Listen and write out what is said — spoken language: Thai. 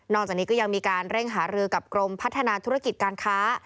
จากนี้ก็ยังมีการเร่งหารือกับกรมพัฒนาธุรกิจการค้า